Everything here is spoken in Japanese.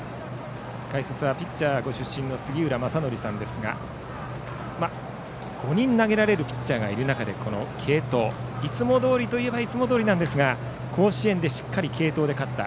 解説はピッチャーご出身の杉浦正則さんですが５人投げられるピッチャーがいる中で継投、いつもどおりといえばいつもどおりですが甲子園でしっかり継投で勝った。